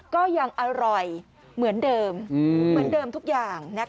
ก็ยังอร่อยเหมือนเดิมเหมือนเดิมทุกอย่าง